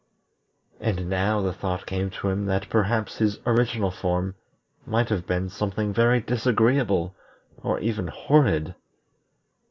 And now the thought came to him that perhaps his original form might have been something very disagreeable, or even horrid.